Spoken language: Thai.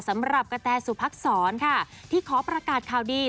สำหรับกะแตสุพักษรค่ะที่ขอประกาศข่าวดี